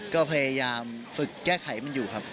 ก็พยายามฝึกแก้ไขมันอยู่ครับ